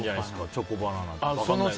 チョコバナナって。